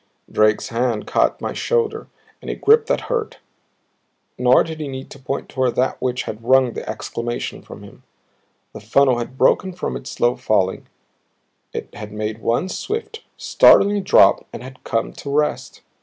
Drake's hand caught my shoulder in a grip that hurt nor did he need to point toward that which had wrung the exclamation from him. The funnel had broken from its slow falling; it had made one swift, startling drop and had come to rest.